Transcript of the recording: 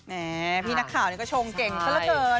แม่พี่นักข่าวนี่ก็ชงเก่งซะละเกิน